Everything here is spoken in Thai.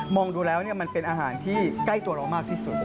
ดูแล้วมันเป็นอาหารที่ใกล้ตัวเรามากที่สุด